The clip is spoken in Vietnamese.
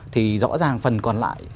thì rõ ràng phần còn lại